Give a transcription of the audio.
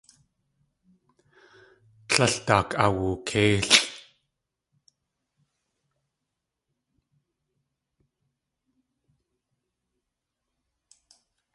Tlél daak awulkéilʼ.